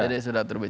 jadi sudah terbit